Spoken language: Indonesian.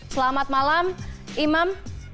selamat malam imam